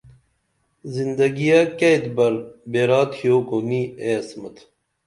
زندگِیہ کیہ اِتبر بیرا تِھیو کُو نی اے عصمت